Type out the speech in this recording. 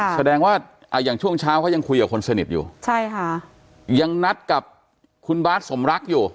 แสดงว่าอย่างช่วงเช้าเขายังคุยกับคนสนิทอยู่ใช่ค่ะยังนัดกับคุณบาทสมรักอยู่